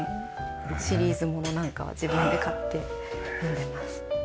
シリーズものなんかは自分で買って読んでます。